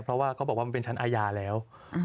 เพราะว่าเขาบอกว่ามันเป็นชั้นอาญาแล้ว